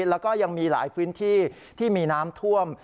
แล้วก็ยังมีหลายพื้นที่ที่มีน้ำท่วม